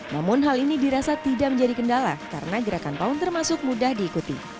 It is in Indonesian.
namun hal ini dirasa tidak menjadi kendala karena gerakan pound termasuk mudah diikuti